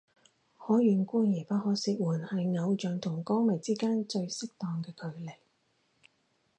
可遠觀而不可褻玩係偶像同歌迷之間最適當嘅距離